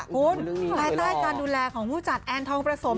คุณภายใต้การดูแลของผู้จัดแอนทองประสม